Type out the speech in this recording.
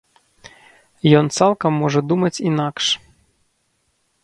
Ён цалкам можа думаць інакш.